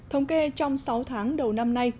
thông kê trong sáu tháng đầu năm nay